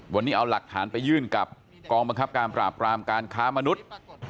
วันนี้เอาหลักฐานไปยื่นกับกองบังคับการปราบรามการค้ามนุษย์